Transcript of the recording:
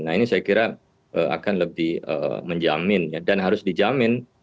nah ini saya kira akan lebih menjamin dan harus dijamin